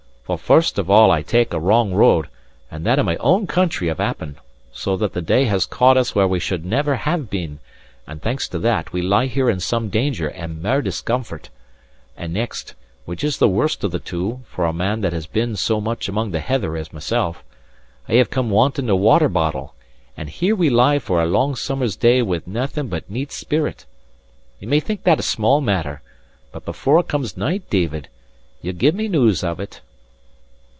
For first of all I take a wrong road, and that in my own country of Appin; so that the day has caught us where we should never have been; and thanks to that, we lie here in some danger and mair discomfort. And next (which is the worst of the two, for a man that has been so much among the heather as myself) I have come wanting a water bottle, and here we lie for a long summer's day with naething but neat spirit. Ye may think that a small matter; but before it comes night, David, ye'll give me news of it."